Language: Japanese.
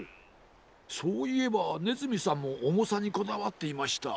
そういえばねずみさんもおもさにこだわっていました。